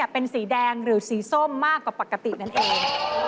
เป็นสีแดงหรือสีส้มมากกว่าปกตินั่นเอง